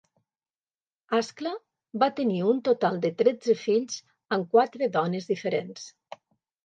Ascla va tenir un total de tretze fills amb quatre dones diferents.